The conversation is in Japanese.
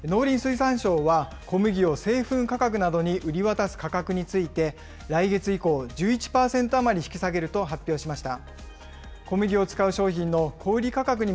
農林水産省は、小麦を製粉に売り渡す価格について、来月以降、１１％余り引き下げると発表しました。